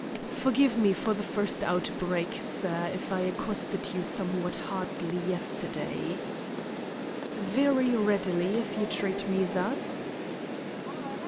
"Forgive me for the first outbreak, sir, if I accosted you somewhat hardly yesterday." "Very readily, if you treat me thus."